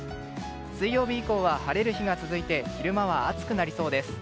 水曜日以降は晴れる日が続いて昼間は暑くなりそうです。